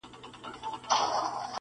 o انسان نه یوازي خپل د ویلو مسؤل دی,